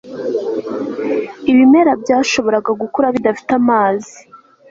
ibimera byashoboraga gukura bidafite amazi